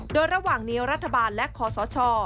โดยระหว่างนี้รัฐบาลและคอสช